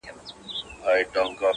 آوازونه د بلبلو هر گلبوټی ترانه ده -